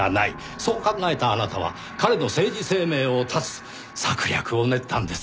そう考えたあなたは彼の政治生命を絶つ策略を練ったんです。